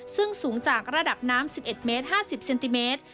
ซึ่งสูงจากระดับน้ำ๑๑เมตร๕๐เซนติเมตร